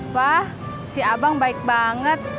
wah si abang baik banget